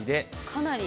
かなり。